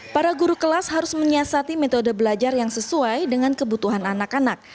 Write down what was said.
para guru kelas harus menyiasati metode belajar yang sesuai dengan kebutuhan anak anak